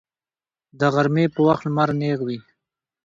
د غرمې په وخت لمر نیغ وي